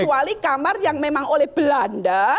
kecuali kamar yang memang oleh belanda